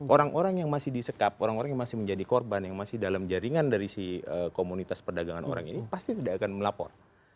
orang orang yang masih disekap orang orang yang masih menjadi korban yang masih dalam jaringan dari si komunitas perdagangan orang ini pasti tidak akan melapor